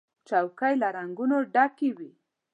چوکۍ له رنګونو ډکې وي.